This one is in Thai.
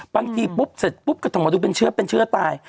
บางทีปุ๊บเสร็จปุ๊บก็ต้องมาดูเป็นเชื้อเป็นเชื้อตาย